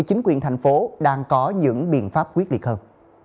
chính quyền tp hcm đang có những biện pháp quyết định hơn